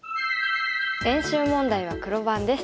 練習問題は黒番です。